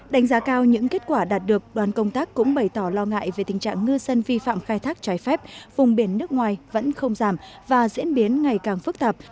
đánh giá cao những kết quả đạt được đoàn công tác cũng bày tỏ lo ngại về tình trạng ngư dân vi phạm khai thác trái phép vùng biển nước ngoài vẫn không giảm và diễn biến ngày càng phức tạp